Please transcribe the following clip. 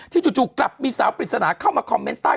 จู่กลับมีสาวปริศนาเข้ามาคอมเมนต์ใต้